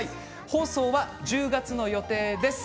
放送は１０月の予定です。